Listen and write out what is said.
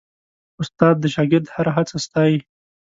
استاد د شاګرد هره هڅه ستايي.